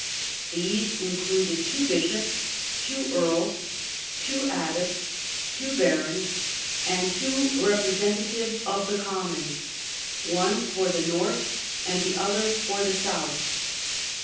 These included two bishops, two earls, two abbots, two barons, and two representatives of the commons, one for the north and the other for the south.